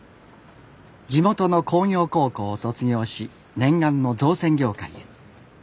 地元の工業高校を卒業し念願の造船業界へ。